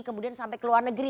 kemudian sampai ke luar negeri